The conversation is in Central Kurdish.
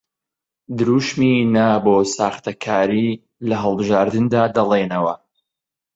دروشمی نا بۆ ساختەکاری لە هەڵبژاردندا دەڵێنەوە